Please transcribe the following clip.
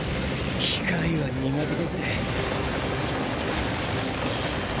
機械は苦手だぜ。